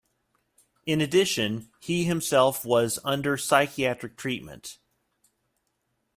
In addition, he himself was under psychiatric treatment.